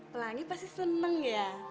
pelangi pasti seneng ya